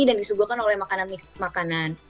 dan disesuaikan oleh makanan makanan